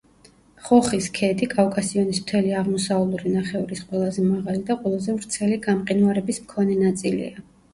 ხოხის ქედი კავკასიონის მთელი აღმოსავლური ნახევრის ყველაზე მაღალი და ყველაზე ვრცელი გამყინვარების მქონე ნაწილია.